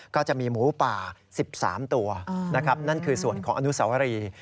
ก็จะมีหมูป่า๑๓ตัวนะครับนั่นคือส่วนของอนุสาวรี